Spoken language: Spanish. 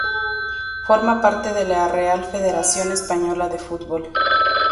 Forma parte de la Real Federación Española de Fútbol.